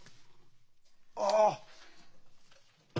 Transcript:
ああ。